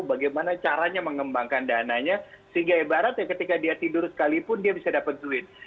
bagaimana caranya mengembangkan dananya sehingga ibaratnya ketika dia tidur sekalipun dia bisa dapat duit